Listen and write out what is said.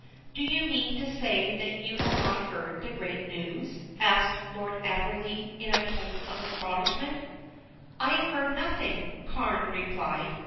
"Do you mean to say that you have not heard the great news?" asked Lord Amberley, in a tone of astonishment. "I have heard nothing," Carne replied.